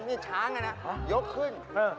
นี่ช้างอันนั้นยกขึ้น